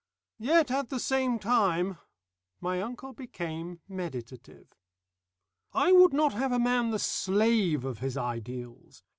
"Yet at the same time " My uncle became meditative. "I would not have a man the slave of his ideals.